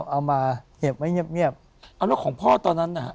เอาด้วยของพ่อตอนนั้น